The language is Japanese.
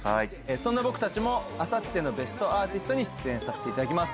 そんな僕たちも『ベストアーティスト』に出演させていただきます。